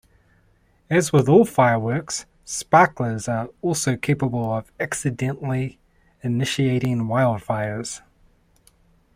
As with all fireworks, sparklers are also capable of accidentally initiating wildfires.